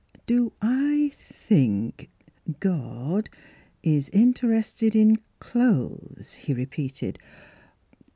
" Do I think — God — is interested in '— clothes ?" he repeated.